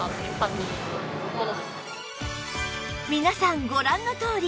皆さんご覧のとおり